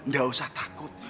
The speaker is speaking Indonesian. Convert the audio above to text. gak usah takut